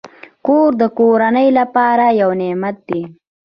کور د کورنۍ لپاره یو نعمت دی.